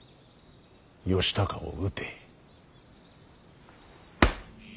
義高を討て。